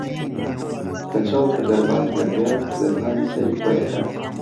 کەچەڵ کە دەرمانکەر بێت دەرمانی سەری خۆی ئەکات